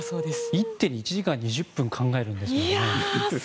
一手に１時間２０分考えるんですね。